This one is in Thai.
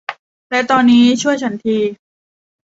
และตอนนี้ช่วยฉันที